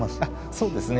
そうですね。